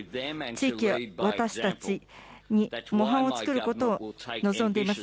地域や私たちに模範をつくることを望んでいます。